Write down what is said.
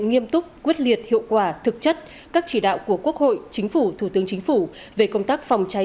nghiêm túc quyết liệt hiệu quả thực chất các chỉ đạo của quốc hội chính phủ thủ tướng chính phủ về công tác phòng cháy